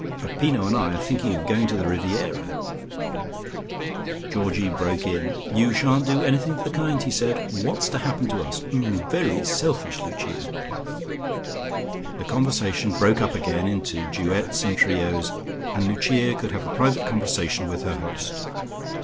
Peppino and I are thinking of going to the Riviera " Georgie broke in. "You shan't do anything of the kind," he said. "What's to happen to us? 'Oo very selfish, Lucia." The conversation broke up again into duets and trios, and Lucia could have a private conversation with her host.